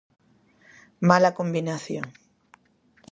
Mala combinación.